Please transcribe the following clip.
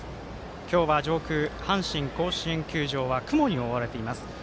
今日は上空、阪神甲子園球場は雲に覆われています。